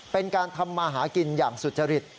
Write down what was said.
เป็นการทำมาหากินอย่างสุจริต